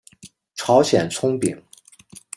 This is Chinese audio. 朝鲜葱饼。